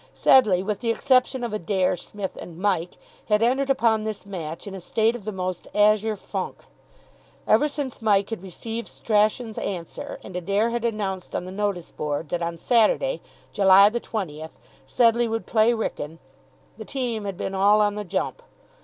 Sedleigh, with the exception of Adair, Psmith, and Mike, had entered upon this match in a state of the most azure funk. Ever since Mike had received Strachan's answer and Adair had announced on the notice board that on Saturday, July the twentieth, Sedleigh would play Wrykyn, the team had been all on the jump.